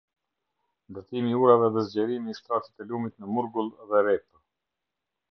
Ndërtimi i urave dhe zgjerimi i shtratit të lumit në murgull dhe repë